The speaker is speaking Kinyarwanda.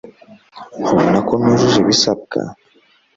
Ntubona ko nujuje ibisabwa